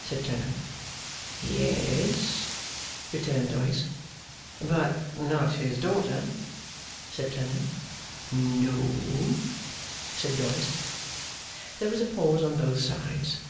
said Clennam. 'Yes,' returned Doyce. 'But not his daughter?' said Clennam. 'No,' said Doyce. There was a pause on both sides.